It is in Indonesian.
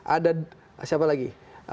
ada siapa lagi